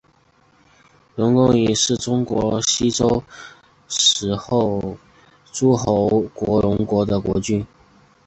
荣夷公是中国西周时期诸侯国荣国的国君。